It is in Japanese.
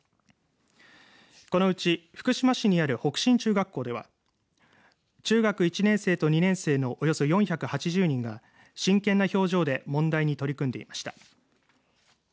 このうち福島市にある北信中学校では中学１年生と２年生のおよそ４８０人が真剣な表情で問題に取り組んでいました。